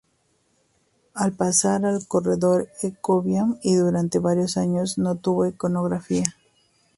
Al pasar al Corredor Ecovía, y durante varios años, no tuvo iconografía.